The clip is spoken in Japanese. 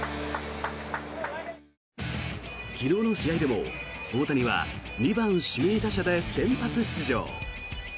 昨日の試合でも大谷は２番指名打者で先発出場。